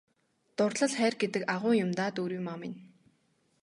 Дурлал хайр гэдэг агуу юм даа Дүүриймаа минь!